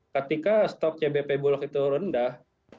ketika stok cbp bulog itu rendah